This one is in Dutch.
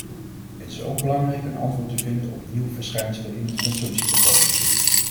Het is ook belangrijk een antwoord te vinden op nieuwe verschijnselen in het consumptiepatroon.